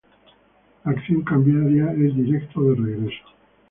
La acción cambiaria es directa o de regreso.